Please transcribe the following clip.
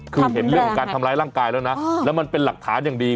คือเห็นเรื่องของการทำร้ายร่างกายแล้วนะแล้วมันเป็นหลักฐานอย่างดี